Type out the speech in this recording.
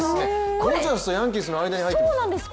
ドジャースとヤンキースの間に入っています。